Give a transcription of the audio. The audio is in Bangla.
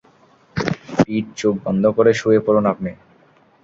পিট, চোখ বন্ধ করে শুয়ে পড়ুন আপনি।